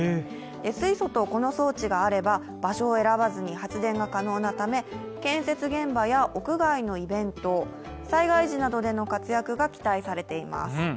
水素とこの装置とがあれば場所を選ばずに発電が可能なため建設現場や屋外のイベント、災害時などでの活躍が期待されています。